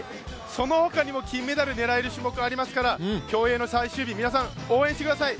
そのほかにも金メダル狙える種目ありますから競泳の最終日、皆さん応援してください。